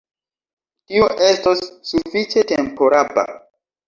Tio estos sufiĉe temporaba.